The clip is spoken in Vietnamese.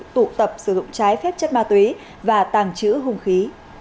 tụ tập sử dụng trái phép chất ma túy và tàng trữ hung khí